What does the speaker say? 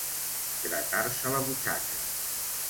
Gratar-se la butxaca.